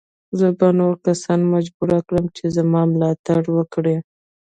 زه به نور کسان مجبور کړم چې زما ملاتړ وکړي.